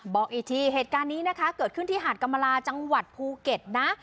บอกอีกทีเหตุการณ์นี้นะคะเกิดขึ้นที่หาดกรรมลาจังหวัดภูเก็ตนะ